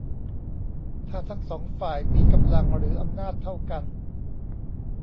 ถ้าทั้งสองฝ่ายมีกำลังหรืออำนาจเท่ากัน